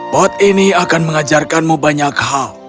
pot ini akan mengajarkanmu banyak hal